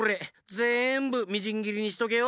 ぜんぶみじんぎりにしとけよ！